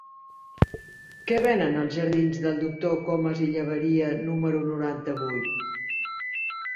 Què venen als jardins del Doctor Comas i Llaberia número noranta-vuit?